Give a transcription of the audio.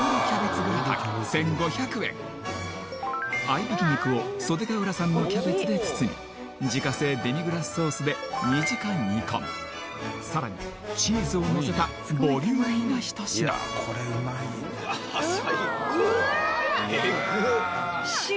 合いびき肉を袖ケ浦産のキャベツで包み自家製デミグラスソースで２時間煮込むさらにチーズをのせたボリューミーな一品わあ最高うわーっエグッ汁